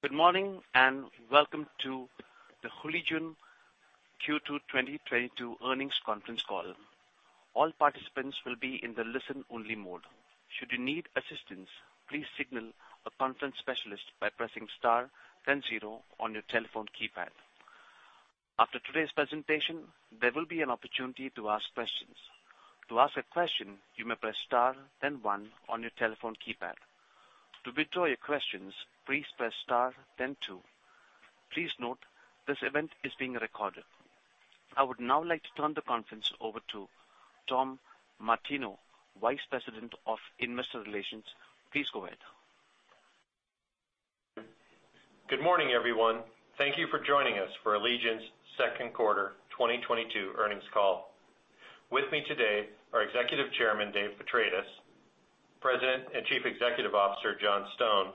Good morning, and welcome to the Allegion Q2 2022 earnings conference call. All participants will be in the listen-only mode. Should you need assistance, please signal a conference specialist by pressing star then zero on your telephone keypad. After today's presentation, there will be an opportunity to ask questions. To ask a question, you may press star then one on your telephone keypad. To withdraw your questions, please press star then two. Please note this event is being recorded. I would now like to turn the conference over to Tom Martineau, Vice President of Investor Relations. Please go ahead. Good morning, everyone. Thank you for joining us for Allegion's second quarter 2022 earnings call. With me today are Executive Chairman Dave Petratis, President and Chief Executive Officer John Stone,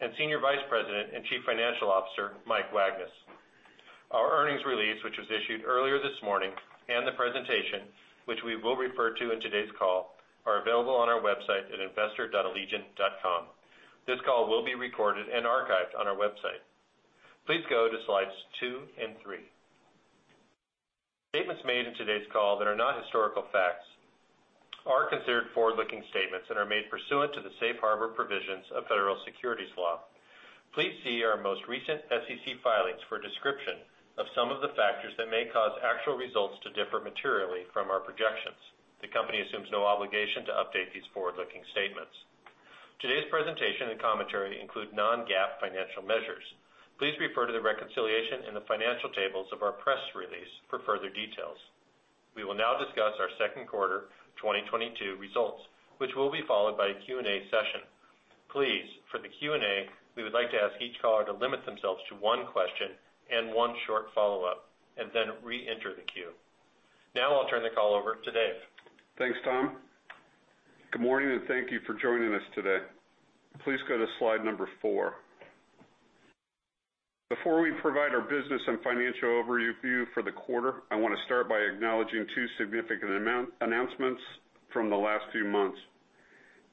and Senior Vice President and Chief Financial Officer Mike Wagnes. Our earnings release, which was issued earlier this morning, and the presentation, which we will refer to in today's call, are available on our website at investor.allegion.com. This call will be recorded and archived on our website. Please go to slides two and three. Statements made in today's call that are not historical facts are considered forward-looking statements and are made pursuant to the safe harbor provisions of federal securities law. Please see our most recent SEC filings for a description of some of the factors that may cause actual results to differ materially from our projections. The company assumes no obligation to update these forward-looking statements. Today's presentation and commentary include non-GAAP financial measures. Please refer to the reconciliation in the financial tables of our press release for further details. We will now discuss our second quarter 2022 results, which will be followed by a Q&A session. Please, for the Q&A, we would like to ask each caller to limit themselves to one question and one short follow-up and then reenter the queue. Now I'll turn the call over to Dave. Thanks, Tom. Good morning, and thank you for joining us today. Please go to slide number four. Before we provide our business and financial overview for the quarter, I wanna start by acknowledging two significant announcements from the last few months.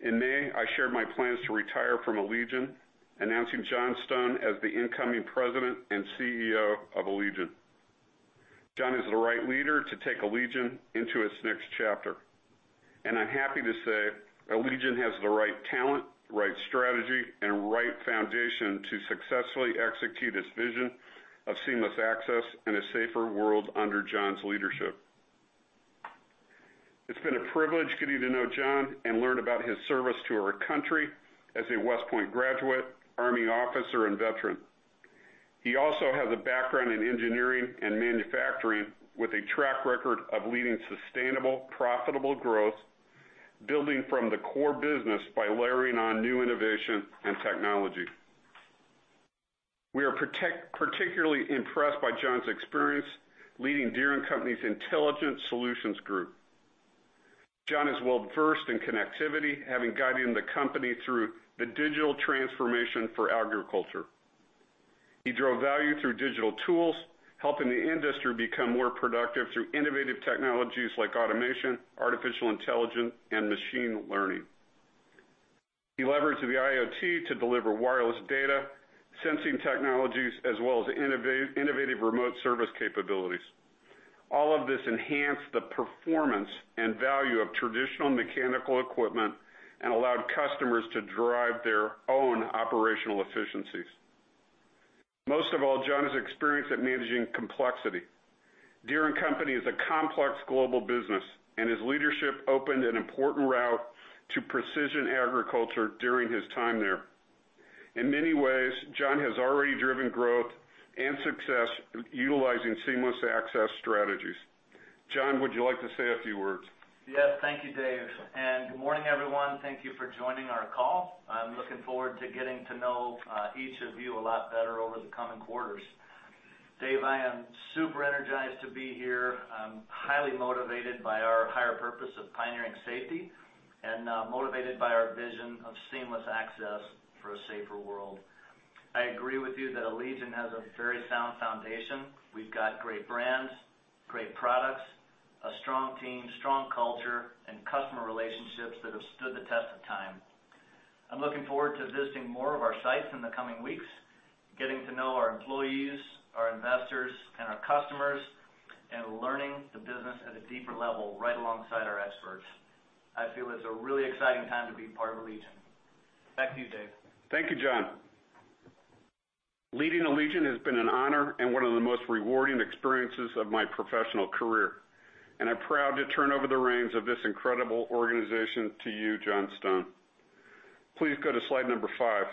In May, I shared my plans to retire from Allegion, announcing John Stone as the incoming President and CEO of Allegion. John is the right leader to take Allegion into its next chapter, and I'm happy to say Allegion has the right talent, right strategy, and right foundation to successfully execute its vision of seamless access and a safer world under John's leadership. It's been a privilege getting to know John and learn about his service to our country as a West Point graduate, Army officer and veteran. He also has a background in engineering and manufacturing with a track record of leading sustainable, profitable growth, building from the core business by layering on new innovation and technology. We are particularly impressed by John's experience leading Deere & Company's Intelligent Solutions Group. John is well-versed in connectivity, having guided the company through the digital transformation for agriculture. He drove value through digital tools, helping the industry become more productive through innovative technologies like automation, artificial intelligence, and machine learning. He leveraged the IoT to deliver wireless data, sensing technologies, as well as innovative remote service capabilities. All of this enhanced the performance and value of traditional mechanical equipment and allowed customers to drive their own operational efficiencies. Most of all, John is experienced at managing complexity. Deere & Company is a complex global business, and his leadership opened an important route to precision agriculture during his time there. In many ways, John has already driven growth and success utilizing seamless access strategies. John, would you like to say a few words? Yes. Thank you, Dave. Good morning, everyone. Thank you for joining our call. I'm looking forward to getting to know, each of you a lot better over the coming quarters. Dave, I am super energized to be here. I'm highly motivated by our higher purpose of pioneering safety and, motivated by our vision of seamless access for a safer world. I agree with you that Allegion has a very sound foundation. We've got great brands, great products, a strong team, strong culture, and customer relationships that have stood the test of time. I'm looking forward to visiting more of our sites in the coming weeks, getting to know our employees, our investors, and our customers, and learning the business at a deeper level right alongside our experts. I feel it's a really exciting time to be part of Allegion. Back to you, Dave. Thank you, John. Leading Allegion has been an honor and one of the most rewarding experiences of my professional career, and I'm proud to turn over the reins of this incredible organization to you, John Stone. Please go to slide number five.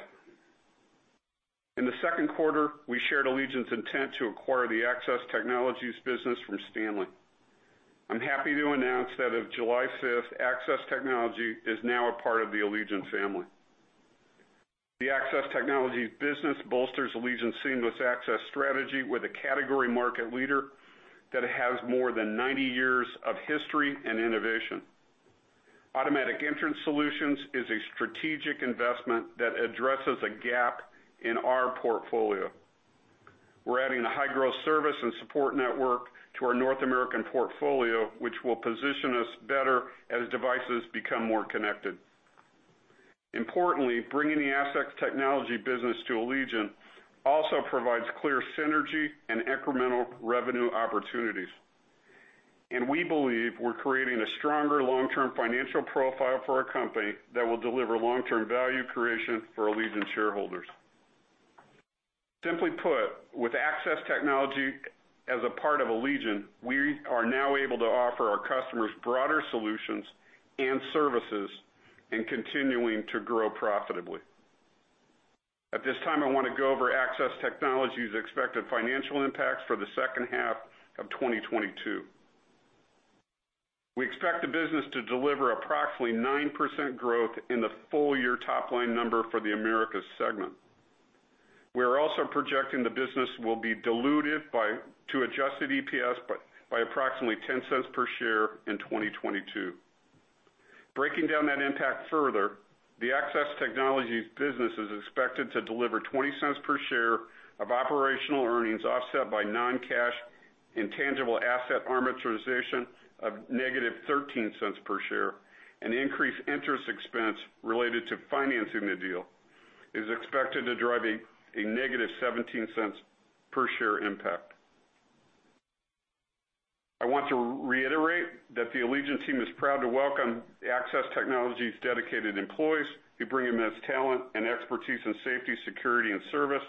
In the second quarter, we shared Allegion's intent to acquire the Access Technologies business from Stanley. I'm happy to announce that as of July 5th, Access Technologies is now a part of the Allegion family. The Access Technologies business bolsters Allegion's seamless access strategy with a category market leader that has more than 90 years of history and innovation. Automatic Entrance Solutions is a strategic investment that addresses a gap in our portfolio. We're adding a high-growth service and support network to our North American portfolio, which will position us better as devices become more connected. Importantly, bringing the Access Technologies business to Allegion also provides clear synergy and incremental revenue opportunities. We believe we're creating a stronger long-term financial profile for our company that will deliver long-term value creation for Allegion shareholders. Simply put, with Access Technologies as a part of Allegion, we are now able to offer our customers broader solutions and services in continuing to grow profitably. At this time, I wanna go over Access Technologies's expected financial impacts for the second half of 2022. We expect the business to deliver approximately 9% growth in the full year top line number for the Americas segment. We're also projecting the business will be diluted to adjusted EPS by approximately $0.10 per share in 2022. Breaking down that impact further, the Access Technologies business is expected to deliver $0.20 per share of operational earnings, offset by non-cash intangible asset amortization of -$0.13 per share, and increased interest expense related to financing the deal is expected to drive a negative $0.17 per share impact. I want to reiterate that the Allegion team is proud to welcome Access Technologies' dedicated employees, who bring immense talent and expertise in safety, security, and service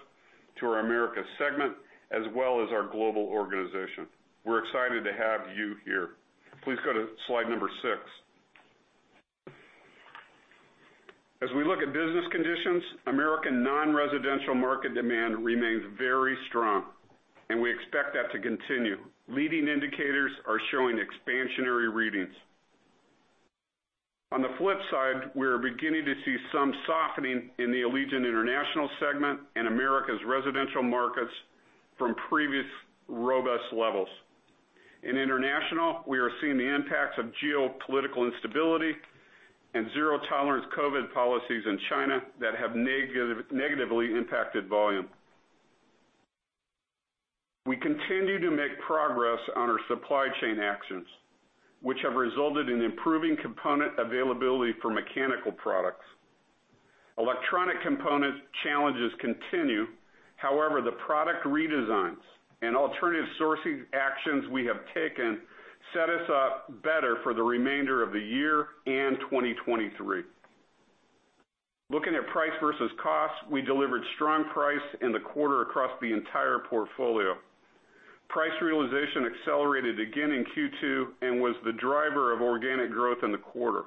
to our America segment as well as our global organization. We're excited to have you here. Please go to slide number six. As we look at business conditions, American non-residential market demand remains very strong, and we expect that to continue. Leading indicators are showing expansionary readings. On the flip side, we are beginning to see some softening in the Allegion International segment and Americas residential markets from previous robust levels. In International, we are seeing the impacts of geopolitical instability and zero-tolerance COVID policies in China that have negatively impacted volume. We continue to make progress on our supply chain actions, which have resulted in improving component availability for mechanical products. Electronic component challenges continue. However, the product redesigns and alternative sourcing actions we have taken set us up better for the remainder of the year and 2023. Looking at price vs. cost, we delivered strong price in the quarter across the entire portfolio. Price realization accelerated again in Q2 and was the driver of organic growth in the quarter.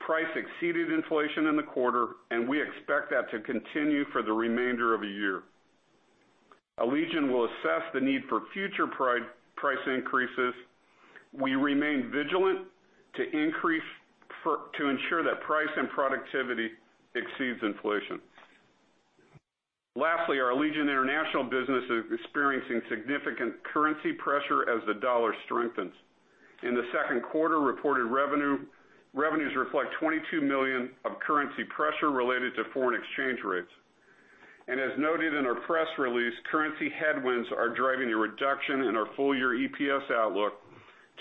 Price exceeded inflation in the quarter, and we expect that to continue for the remainder of the year. Allegion will assess the need for future price increases. We remain vigilant to ensure that price and productivity exceeds inflation. Lastly, our Allegion International business is experiencing significant currency pressure as the dollar strengthens. In the second quarter, reported revenues reflect $22 million of currency pressure related to foreign exchange rates. As noted in our press release, currency headwinds are driving a reduction in our full-year EPS outlook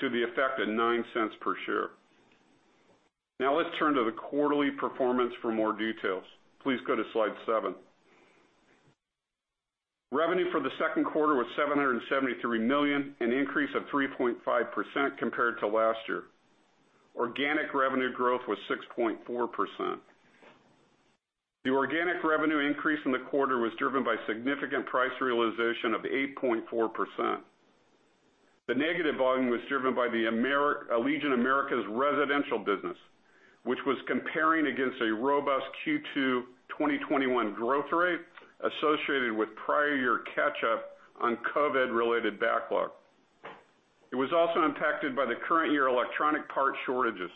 to the effect of $0.09 per share. Now let's turn to the quarterly performance for more details. Please go to slide seven. Revenue for the second quarter was $773 million, an increase of 3.5% compared to last year. Organic revenue growth was 6.4%. The organic revenue increase in the quarter was driven by significant price realization of 8.4%. The negative volume was driven by the Allegion Americas residential business, which was comparing against a robust Q2 2021 growth rate associated with prior year catch-up on COVID-related backlog. It was also impacted by the current year electronic part shortages.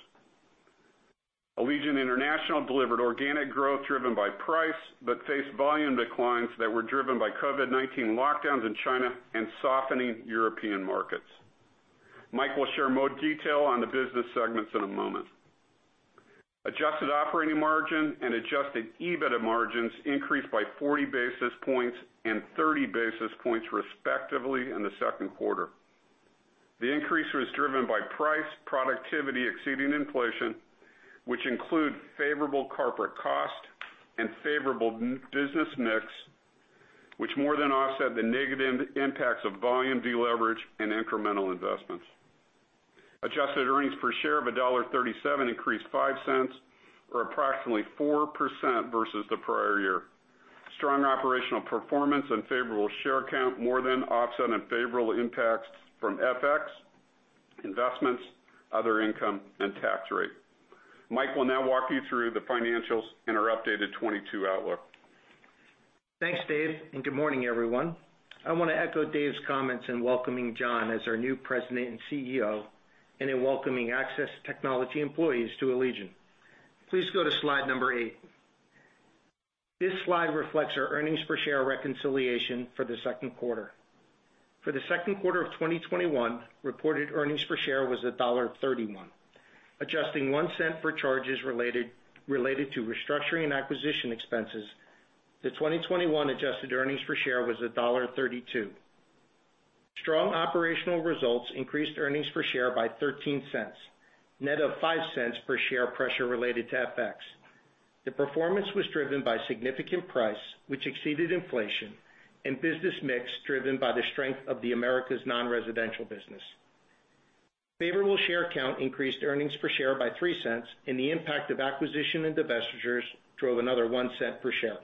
Allegion International delivered organic growth driven by price, but faced volume declines that were driven by COVID-19 lockdowns in China and softening European markets. Mike will share more detail on the business segments in a moment. Adjusted operating margin and adjusted EBITDA margins increased by 40 basis points and 30 basis points, respectively, in the second quarter. The increase was driven by price, productivity exceeding inflation, which include favorable corporate cost and favorable business mix, which more than offset the negative impacts of volume deleverage and incremental investments. Adjusted earnings per share of $1.37 increased $0.05, or approximately 4%, vs. the prior year. Strong operational performance and favorable share count more than offset unfavorable impacts from FX, investments, other income, and tax rate. Mike will now walk you through the financials and our updated 2022 outlook. Thanks, Dave, and good morning, everyone. I wanna echo Dave's comments in welcoming John as our new president and CEO, and in welcoming Access Technologies employees to Allegion. Please go to slide number eight. This slide reflects our earnings per share reconciliation for the second quarter. For the second quarter of 2021, reported earnings per share was $1.31. Adjusting $0.01 for charges related to restructuring and acquisition expenses, the 2021 adjusted earnings per share was $1.32. Strong operational results increased earnings per share by $0.13, net of $0.05 per share pressure related to FX. The performance was driven by significant pricing, which exceeded inflation and business mix, driven by the strength of the Americas' non-residential business. Favorable share count increased earnings per share by $0.03, and the impact of acquisition and divestitures drove another $0.01 per share.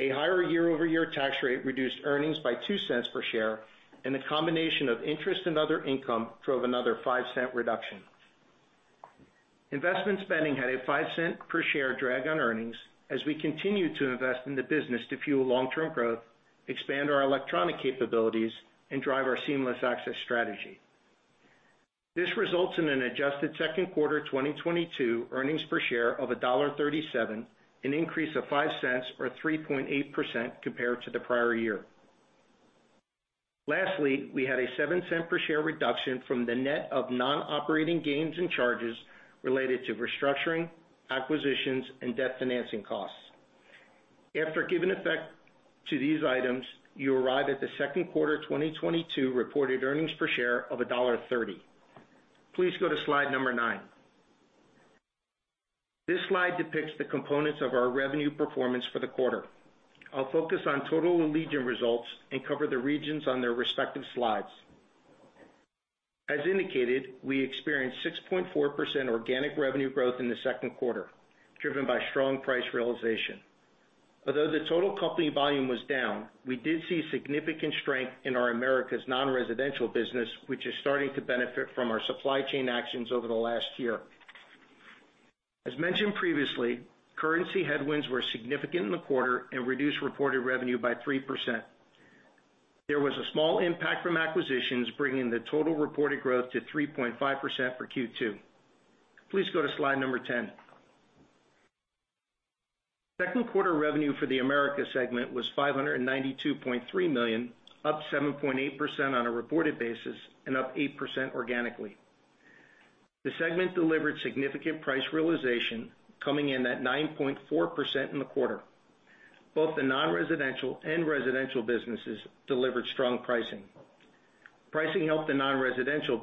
A higher year-over-year tax rate reduced earnings by $0.02 per share, and the combination of interest and other income drove another $0.05 reduction. Investment spending had a $0.05 per share drag on earnings as we continue to invest in the business to fuel long-term growth, expand our electronic capabilities, and drive our seamless access strategy. This results in an adjusted second quarter 2022 earnings per share of $1.37, an increase of $0.05 or 3.8% compared to the prior year. Lastly, we had a $0.07 per share reduction from the net of non-operating gains and charges related to restructuring, acquisitions, and debt financing costs. After giving effect to these items, you arrive at the second quarter 2022 reported earnings per share of $1.30. Please go to slide nine. This slide depicts the components of our revenue performance for the quarter. I'll focus on total Allegion results and cover the regions on their respective slides. As indicated, we experienced 6.4% organic revenue growth in the second quarter, driven by strong price realization. Although the total company volume was down, we did see significant strength in our Americas non-residential business, which is starting to benefit from our supply chain actions over the last year. As mentioned previously, currency headwinds were significant in the quarter and reduced reported revenue by 3%. There was a small impact from acquisitions, bringing the total reported growth to 3.5% for Q2. Please go to slide 10. Second quarter revenue for the America segment was $592.3 million, up 7.8% on a reported basis and up 8% organically. The segment delivered significant price realization coming in at 9.4% in the quarter. Both the non-residential and residential businesses delivered strong pricing. Pricing helped the non-residential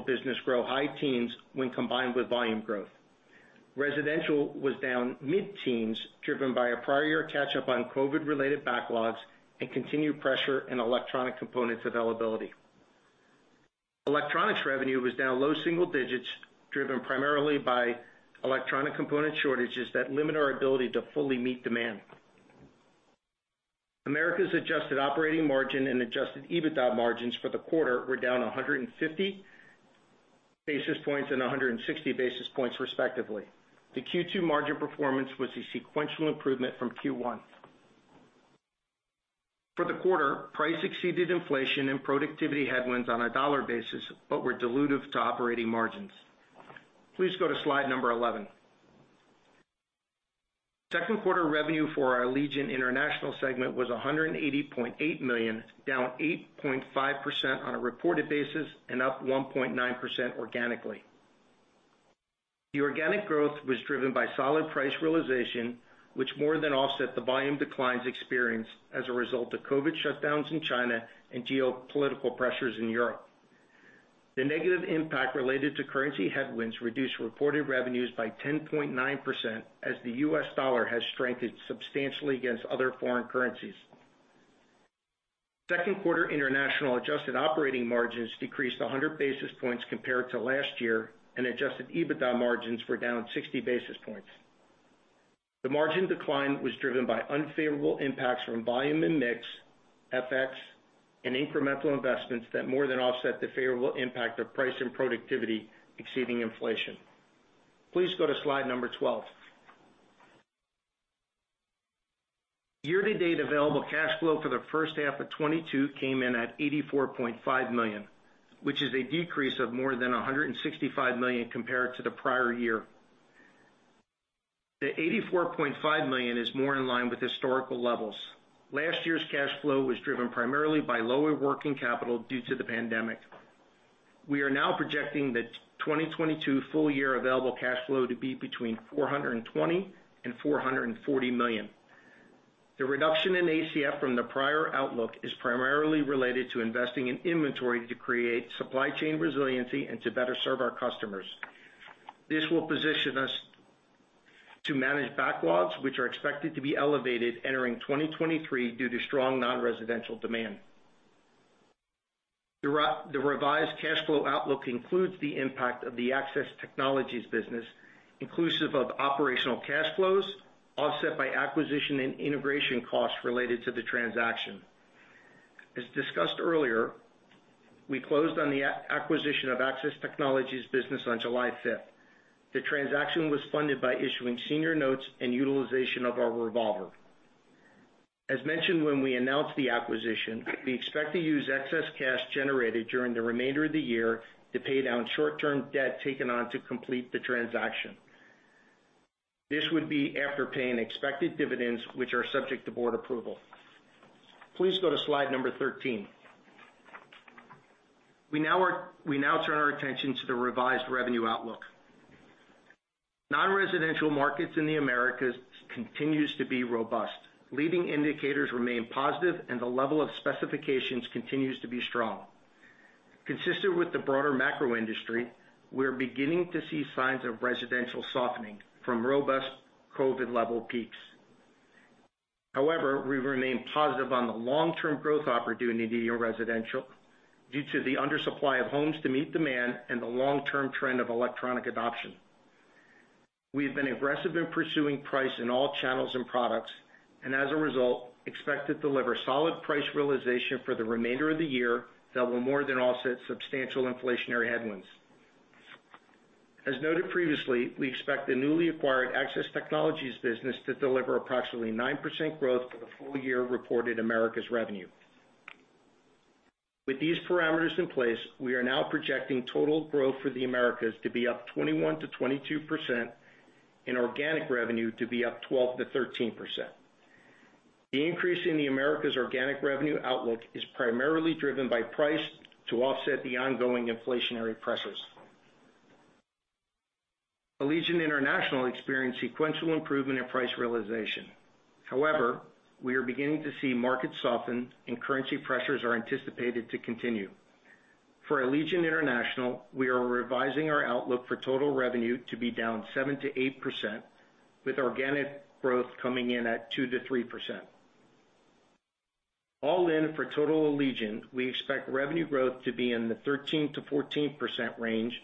business grow high teens when combined with volume growth. Residential was down mid-teens, driven by a prior year catch-up on COVID-related backlogs and continued pressure in electronic components availability. Electronics revenue was down low single digits, driven primarily by electronic component shortages that limit our ability to fully meet demand. America's adjusted operating margin and adjusted EBITDA margins for the quarter were down 150 basis points and 160 basis points, respectively. The Q2 margin performance was a sequential improvement from Q1. For the quarter, price exceeded inflation and productivity headwinds on a dollar basis, but were dilutive to operating margins. Please go to slide 11. Second quarter revenue for our Allegion International segment was $180.8 million, down 8.5% on a reported basis and up 1.9% organically. The organic growth was driven by solid price realization, which more than offset the volume declines experienced as a result of COVID shutdowns in China and geopolitical pressures in Europe. The negative impact related to currency headwinds reduced reported revenues by 10.9% as the U.S. dollar has strengthened substantially against other foreign currencies. Second quarter international adjusted operating margins decreased 100 basis points compared to last year, and adjusted EBITDA margins were down 60 basis points. The margin decline was driven by unfavorable impacts from volume and mix, FX, and incremental investments that more than offset the favorable impact of price and productivity exceeding inflation. Please go to slide 12. Year to date available cash flow for the first half of 2022 came in at $84.5 million, which is a decrease of more than $165 million compared to the prior year. The $84.5 million is more in line with historical levels. Last year's cash flow was driven primarily by lower working capital due to the pandemic. We are now projecting the 2022 full year available cash flow to be between $420 million and $440 million. The reduction in ACF from the prior outlook is primarily related to investing in inventory to create supply chain resiliency and to better serve our customers. This will position us to manage backlogs, which are expected to be elevated entering 2023 due to strong non-residential demand. The revised cash flow outlook includes the impact of the Access Technologies business, inclusive of operational cash flows, offset by acquisition and integration costs related to the transaction. As discussed earlier, we closed on the acquisition of Access Technologies business on July 5th. The transaction was funded by issuing senior notes and utilization of our revolver. As mentioned when we announced the acquisition, we expect to use excess cash generated during the remainder of the year to pay down short-term debt taken on to complete the transaction. This would be after paying expected dividends, which are subject to board approval. Please go to slide number 13. We now turn our attention to the revised revenue outlook. Non-residential markets in the Americas continues to be robust. Leading indicators remain positive and the level of specifications continues to be strong. Consistent with the broader macro industry, we are beginning to see signs of residential softening from robust COVID level peaks. However, we remain positive on the long-term growth opportunity in residential due to the undersupply of homes to meet demand and the long-term trend of electronic adoption. We have been aggressive in pursuing price in all channels and products, and as a result, expect to deliver solid price realization for the remainder of the year that will more than offset substantial inflationary headwinds. As noted previously, we expect the newly acquired Access Technologies business to deliver approximately 9% growth for the full year reported Americas revenue. With these parameters in place, we are now projecting total growth for the Americas to be up 21%-22% and organic revenue to be up 12%-13%. The increase in the Americas' organic revenue outlook is primarily driven by price to offset the ongoing inflationary pressures. Allegion International experienced sequential improvement in price realization. However, we are beginning to see markets soften and currency pressures are anticipated to continue. For Allegion International, we are revising our outlook for total revenue to be down 7%-8%, with organic growth coming in at 2%-3%. All in for total Allegion, we expect revenue growth to be in the 13%-14% range,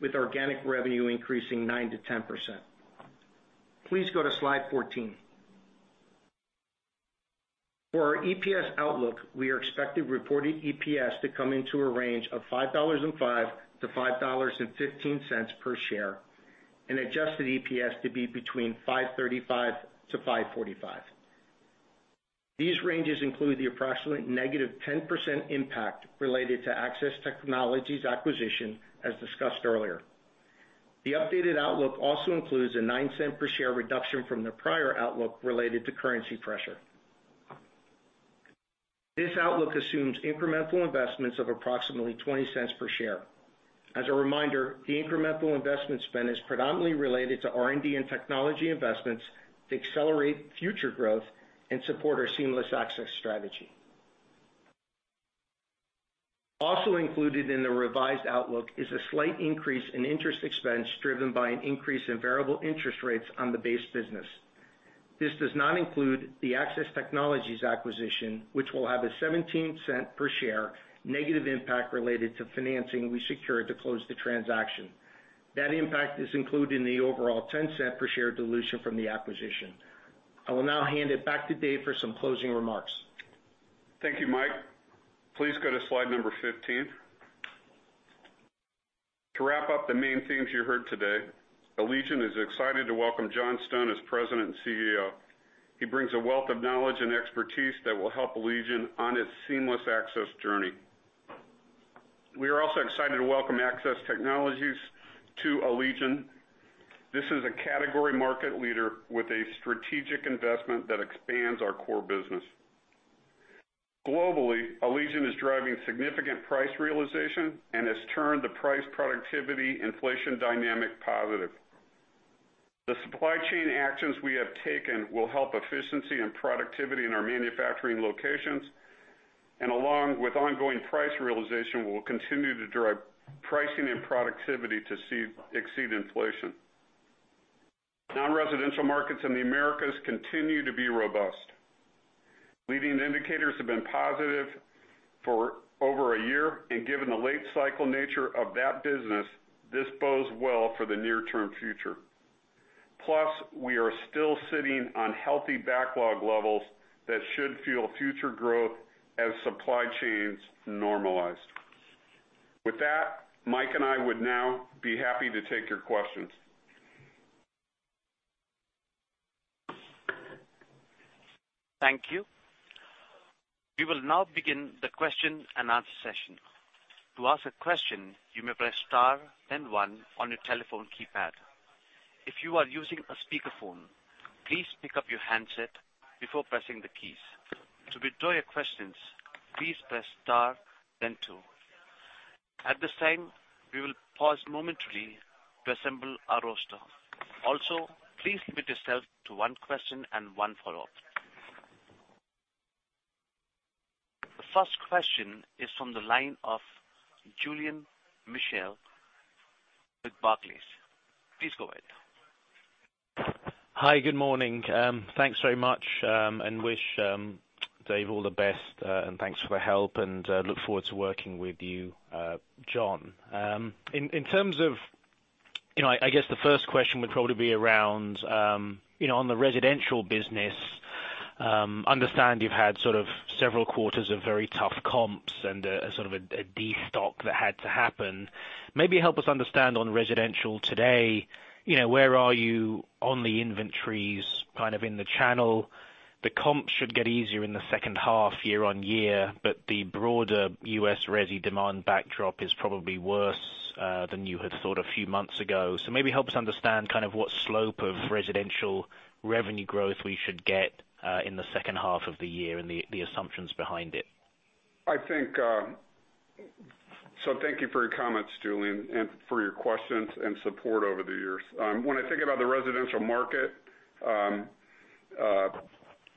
with organic revenue increasing 9%-10%. Please go to slide 14. For our EPS outlook, we are expecting reported EPS to come into a range of $5.05-$5.15 per share, and adjusted EPS to be between $5.35-$5.45. These ranges include the approximate -10% impact related to Access Technologies acquisition, as discussed earlier. The updated outlook also includes a $0.09 per share reduction from the prior outlook related to currency pressure. This outlook assumes incremental investments of approximately $0.20 per share. As a reminder, the incremental investment spend is predominantly related to R&D and technology investments to accelerate future growth and support our seamless access strategy. Also included in the revised outlook is a slight increase in interest expense driven by an increase in variable interest rates on the base business. This does not include the Access Technologies acquisition, which will have a $0.17 per share negative impact related to financing we secured to close the transaction. That impact is included in the overall $0.10 per share dilution from the acquisition. I will now hand it back to Dave for some closing remarks. Thank you, Mike. Please go to slide number 15. To wrap up the main themes you heard today, Allegion is excited to welcome John Stone as President and CEO. He brings a wealth of knowledge and expertise that will help Allegion on its seamless access journey. We are also excited to welcome Access Technologies to Allegion. This is a category market leader with a strategic investment that expands our core business. Globally, Allegion is driving significant price realization and has turned the price productivity inflation dynamic positive. The supply chain actions we have taken will help efficiency and productivity in our manufacturing locations, and along with ongoing price realization, will continue to drive pricing and productivity to exceed inflation. Non-residential markets in the Americas continue to be robust. Leading indicators have been positive for over a year, and given the late cycle nature of that business, this bodes well for the near-term future. Plus, we are still sitting on healthy backlog levels that should fuel future growth as supply chains normalize. With that, Mike and I would now be happy to take your questions. Thank you. We will now begin the question-and-answer session. To ask a question, you may press star, then one on your telephone keypad. If you are using a speakerphone, please pick up your handset before pressing the keys. To withdraw your questions, please press star then two. At this time, we will pause momentarily to assemble our roster. Also, please limit yourself to one question and one follow-up. The first question is from the line of Julian Mitchell with Barclays. Please go ahead. Hi, good morning. Thanks very much, and wish Dave all the best, and thanks for the help and look forward to working with you, John. In terms of, you know, I guess the first question would probably be around, you know, on the residential business, understand you've had sort of several quarters of very tough comps and sort of a destock that had to happen. Maybe help us understand on residential today, you know, where are you on the inventories kind of in the channel? The comps should get easier in the second half year-over-year, but the broader U.S. resi demand backdrop is probably worse than you had thought a few months ago. Maybe help us understand kind of what slope of residential revenue growth we should get, in the second half of the year and the assumptions behind it. I think so thank you for your comments, Julian, and for your questions and support over the years. When I think about the residential market,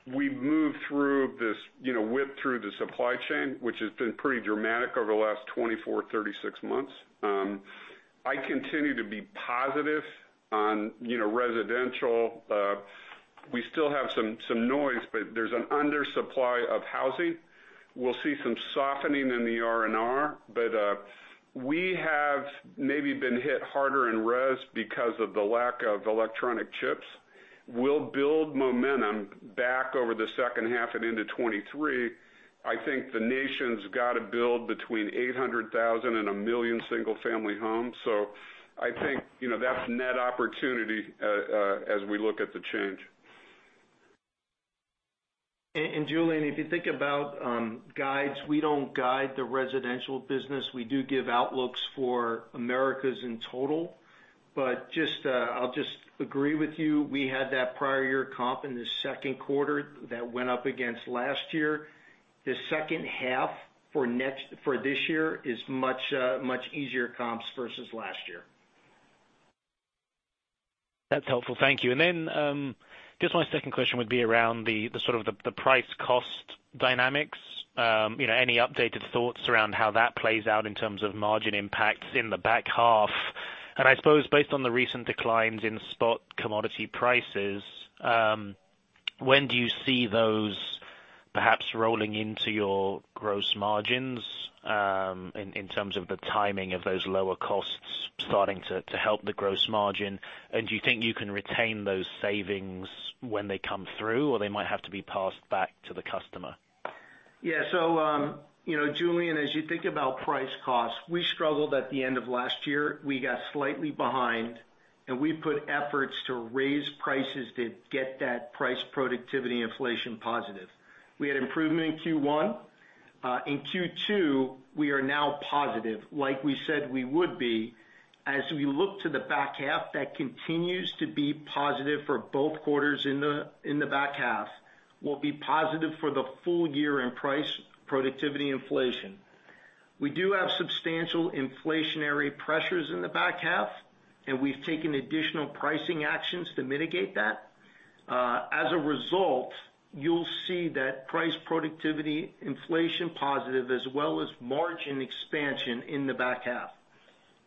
we moved through this, you know, whipped through the supply chain, which has been pretty dramatic over the last 24-36 months. I continue to be positive on, you know, residential. We still have some noise, but there's an undersupply of housing. We'll see some softening in the R&R, but we have maybe been hit harder in res because of the lack of electronic chips. We'll build momentum back over the second half and into 2023. I think the nation's got to build between 800,000 and 1 million single-family homes. I think, you know, that's net opportunity as we look at the change. Julian, if you think about guides, we don't guide the residential business. We do give outlooks for Americas in total. I'll just agree with you. We had that prior year comp in the second quarter that went up against last year. The second half for this year is much easier comps vs. last year. That's helpful. Thank you. Just my second question would be around the sort of price cost dynamics. You know, any updated thoughts around how that plays out in terms of margin impacts in the back half? I suppose based on the recent declines in spot commodity prices, when do you see those perhaps rolling into your gross margins, in terms of the timing of those lower costs starting to help the gross margin? Do you think you can retain those savings when they come through, or they might have to be passed back to the customer? Yeah. You know, Julian, as you think about price costs, we struggled at the end of last year. We got slightly behind, and we put efforts to raise prices to get that price productivity inflation positive. We had improvement in Q1. In Q2, we are now positive, like we said we would be. As we look to the back half, that continues to be positive for both quarters in the back half. We'll be positive for the full year in price productivity inflation. We do have substantial inflationary pressures in the back half, and we've taken additional pricing actions to mitigate that. As a result, you'll see that price productivity inflation positive as well as margin expansion in the back half.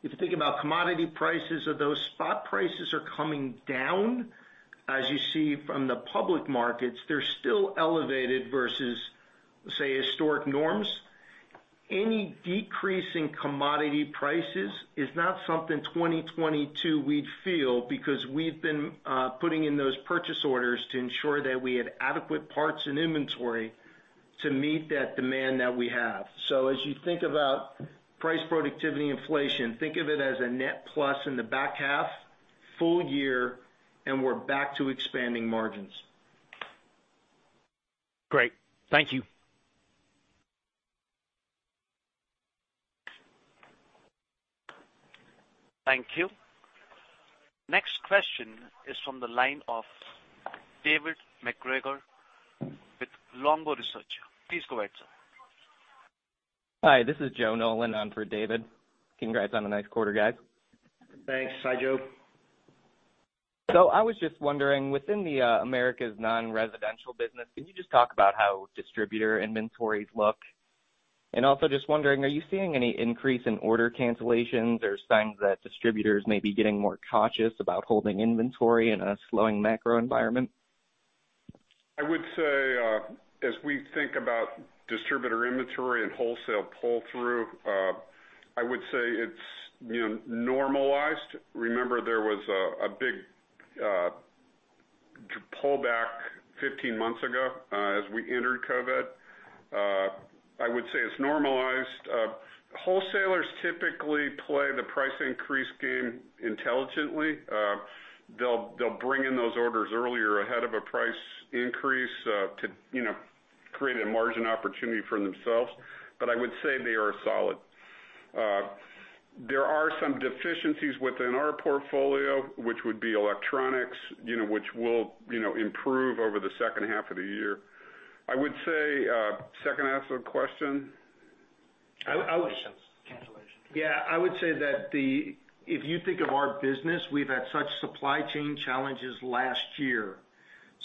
If you think about commodity prices or those spot prices are coming down. As you see from the public markets, they're still elevated vs., say, historic norms. Any decrease in commodity prices is not something 2022 we'd feel because we've been putting in those purchase orders to ensure that we had adequate parts and inventory to meet that demand that we have. As you think about price productivity inflation, think of it as a net plus in the back half full year, and we're back to expanding margins. Great. Thank you. Thank you. Next question is from the line of David MacGregor with Longbow Research. Please go ahead, sir. Hi, this is Joseph Nolan on for David. Congrats on a nice quarter, guys. Thanks. Hi, Joe. I was just wondering, within the Americas non-residential business, can you just talk about how distributor inventories look? Also just wondering, are you seeing any increase in order cancellations or signs that distributors may be getting more cautious about holding inventory in a slowing macro environment? I would say, as we think about distributor inventory and wholesale pull-through, I would say it's, you know, normalized. Remember there was a big pullback 15 months ago, as we entered COVID. I would say it's normalized. Wholesalers typically play the price increase game intelligently. They'll bring in those orders earlier ahead of a price increase, to, you know, create a margin opportunity for themselves. I would say they are solid. There are some deficiencies within our portfolio, which would be electronics, you know, which will, you know, improve over the second half of the year. I would say, second half of the question? I would. Cancellations. Yeah. I would say that if you think of our business, we've had such supply chain challenges last year.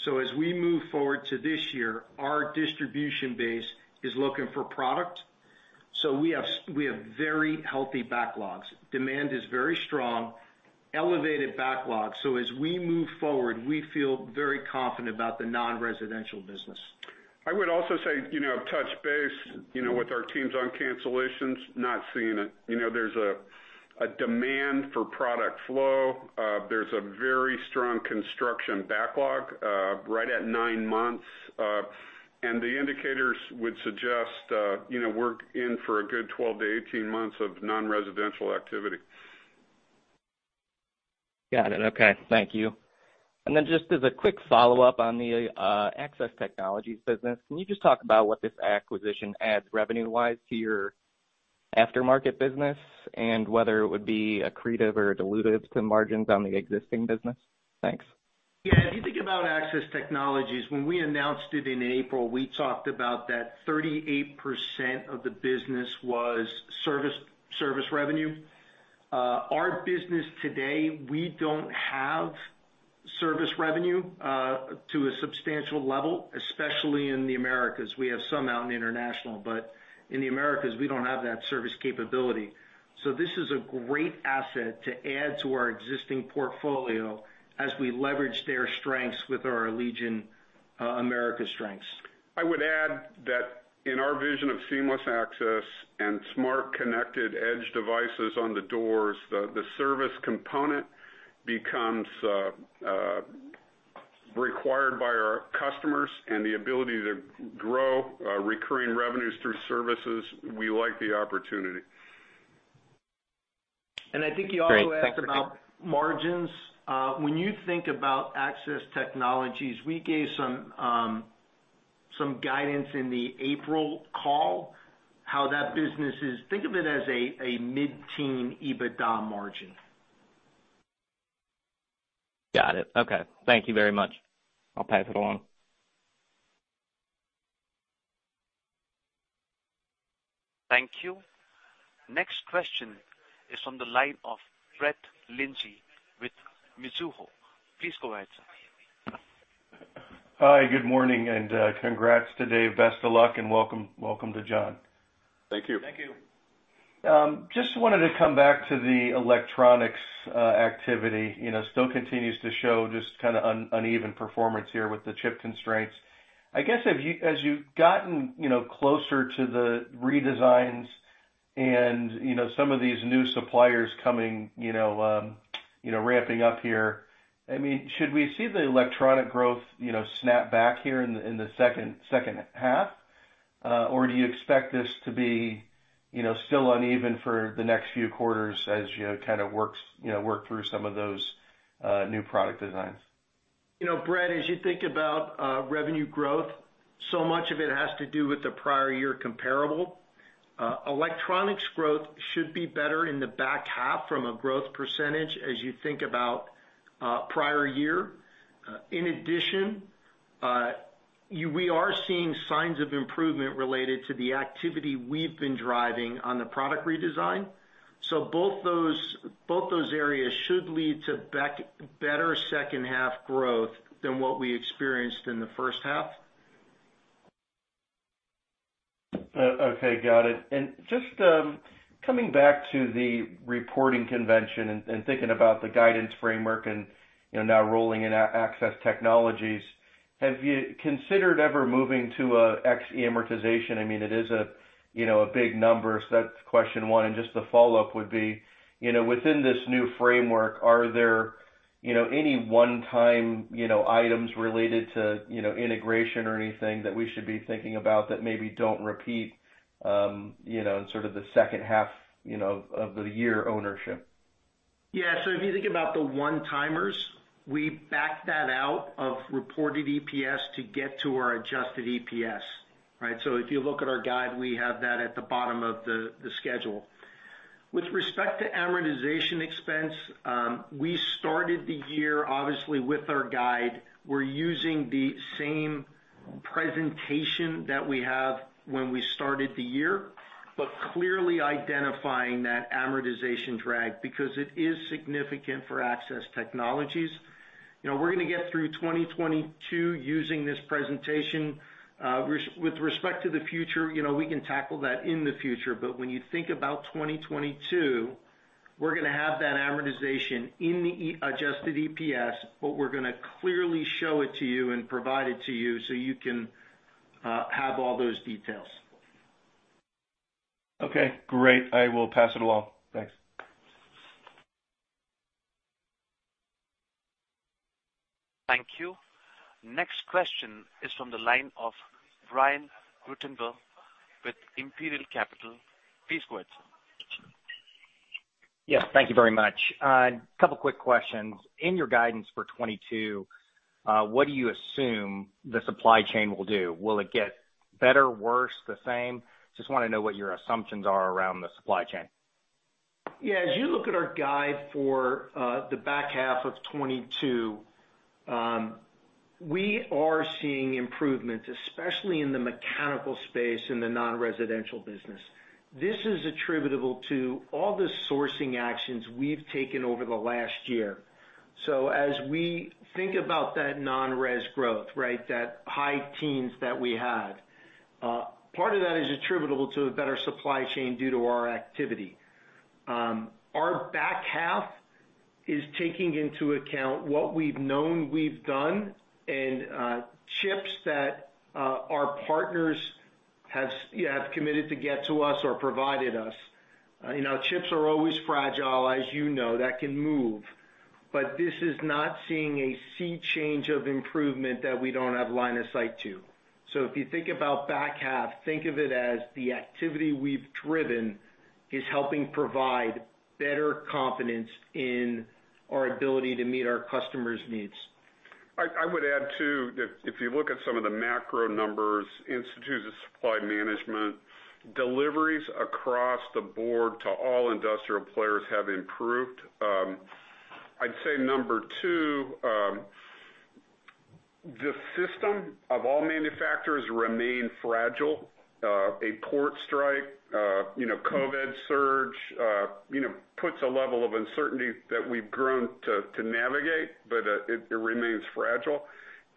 As we move forward to this year, our distribution base is looking for product. We have very healthy backlogs. Demand is very strong, elevated backlogs. As we move forward, we feel very confident about the non-residential business. I would also say, you know, touch base, you know, with our teams on cancellations, not seeing it. You know, there's a demand for product flow. There's a very strong construction backlog, right at nine months. The indicators would suggest, you know, we're in for a good 12-18 months of non-residential activity. Got it. Okay. Thank you. Just as a quick follow-up on the Access Technologies business, can you just talk about what this acquisition adds revenue-wise to your aftermarket business, and whether it would be accretive or dilutive to margins on the existing business? Thanks. Yeah. If you think about Access Technologies, when we announced it in April, we talked about that 38% of the business was service revenue. Our business today, we don't have service revenue to a substantial level, especially in the Americas. We have some out in the international, but in the Americas, we don't have that service capability. This is a great asset to add to our existing portfolio as we leverage their strengths with our Allegion America strengths. I would add that in our vision of seamless access and smart connected edge devices on the doors, the service component becomes required by our customers and the ability to grow recurring revenues through services. We like the opportunity. I think he also asked about margins. When you think about Access Technologies, we gave some guidance in the April call, how that business is. Think of it as mid-teen EBITDA margin. Got it. Okay. Thank you very much. I'll pass it along. Thank you. Next question is from the line of Brett Linzey with Mizuho. Please go ahead, sir. Hi, good morning, and congrats to Dave. Best of luck, and welcome to John. Thank you. Thank you. Just wanted to come back to the electronics activity. You know, still continues to show just kinda uneven performance here with the chip constraints. I guess as you've gotten, you know, closer to the redesigns and, you know, some of these new suppliers coming, you know, ramping up here, I mean, should we see the electronic growth, you know, snap back here in the second half? Or do you expect this to be, you know, still uneven for the next few quarters as you kind of work through some of those new product designs? You know, Brett, as you think about revenue growth, so much of it has to do with the prior year comparable. Electronics growth should be better in the back half from a growth percentage as you think about prior year. In addition, we are seeing signs of improvement related to the activity we've been driving on the product redesign. Both those areas should lead to better second half growth than what we experienced in the first half. Okay, got it. Just coming back to the reporting convention and thinking about the guidance framework and, you know, now rolling in Access Technologies, have you considered ever moving to ex-amortization? I mean, it is a you know a big number. That's question one. Just the follow-up would be, you know, within this new framework, are there, you know, any one-time, you know, items related to, you know, integration or anything that we should be thinking about that maybe don't repeat, you know, in sort of the second half, you know, of the year ownership? Yeah. If you think about the one-timers, we backed that out of reported EPS to get to our adjusted EPS, right? If you look at our guide, we have that at the bottom of the schedule. With respect to amortization expense, we started the year, obviously, with our guide. We're using the same presentation that we have when we started the year, but clearly identifying that amortization drag because it is significant for Access Technologies. You know, we're gonna get through 2022 using this presentation. With respect to the future, you know, we can tackle that in the future. But when you think about 2022, we're gonna have that amortization in the adjusted EPS, but we're gonna clearly show it to you and provide it to you so you can have all those details. Okay, great. I will pass it along. Thanks. Thank you. Next question is from the line of Brian Ruttenbur with Imperial Capital. Please go ahead. Yes, thank you very much. A couple quick questions. In your guidance for 2022, what do you assume the supply chain will do? Will it get better, worse, the same? Just wanna know what your assumptions are around the supply chain. Yeah, as you look at our guide for the back half of 2022, we are seeing improvements, especially in the mechanical space in the non-residential business. This is attributable to all the sourcing actions we've taken over the last year. As we think about that non-residential growth, right, that high teens that we had, part of that is attributable to a better supply chain due to our activity. Our back half is taking into account what we've known we've done and chips that our partners have committed to get to us or provided us. You know, chips are always fragile. As you know, that can move. This is not seeing a sea change of improvement that we don't have line of sight to. If you think about back half, think of it as the activity we've driven is helping provide better confidence in our ability to meet our customers' needs. I would add too, if you look at some of the macro numbers, Institute for Supply Management deliveries across the board to all industrial players have improved. I'd say number two, the situation for all manufacturers remains fragile. A port strike, you know, COVID surge, you know, puts a level of uncertainty that we've grown to navigate, but it remains fragile.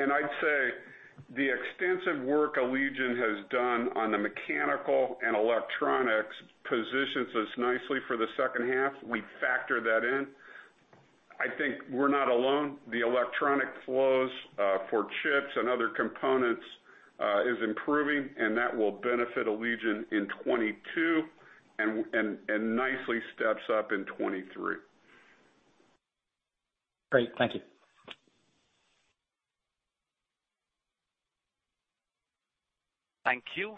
I'd say the extensive work Allegion has done on the mechanical and electronics positions us nicely for the second half. We factor that in. I think we're not alone. The electronic flows for chips and other components is improving and that will benefit Allegion in 2022 and nicely steps up in 2023. Great. Thank you. Thank you.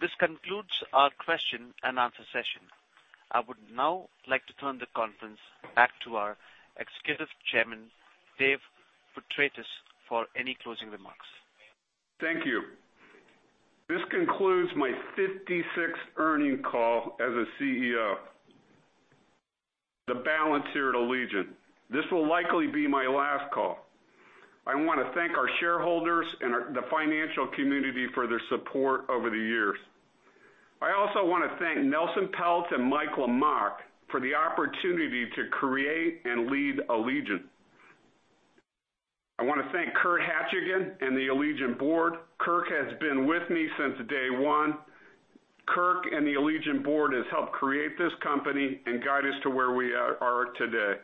This concludes our question-and-answer session. I would now like to turn the conference back to our Executive Chairman, Dave Petratis, for any closing remarks. Thank you. This concludes my 56th earnings call as a CEO. The baton here at Allegion. This will likely be my last call. I wanna thank our shareholders and the financial community for their support over the years. I also wanna thank Nelson Peltz and Mike Lamach for the opportunity to create and lead Allegion. I wanna thank Kirk Hachigian and the Allegion board. Kirk has been with me since day one. Kirk and the Allegion board has helped create this company and guide us to where we are today.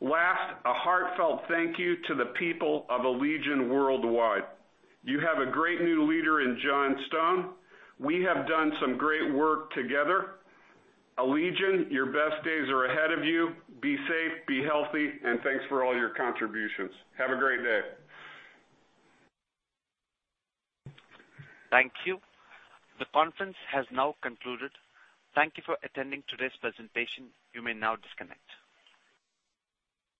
Last, a heartfelt thank you to the people of Allegion worldwide. You have a great new leader in John Stone. We have done some great work together. Allegion, your best days are ahead of you. Be safe, be healthy, and thanks for all your contributions. Have a great day. Thank you. The conference has now concluded. Thank you for attending today's presentation. You may now disconnect.